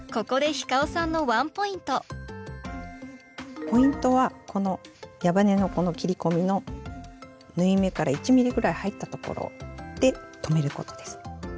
ここでポイントはこの矢羽根のこの切り込みの縫い目から１ｍｍくらい入ったところで止めることです。